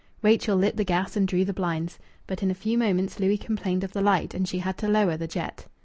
Rachel lit the gas and drew the blinds. But in a few moments Louis complained of the light, and she had to lower the jet.